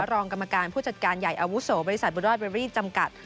รองกรรมการผู้จัดการใหญ่อาวุโสบริษัทบุรอดเบอรี่จำกัด